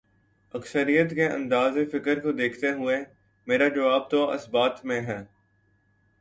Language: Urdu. اکثریت کے انداز فکر کو دیکھتے ہوئے، میرا جواب تو اثبات میں ہے۔